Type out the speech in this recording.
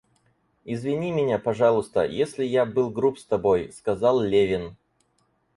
Извини меня, пожалуйста, если я был груб с тобой, — сказал Левин.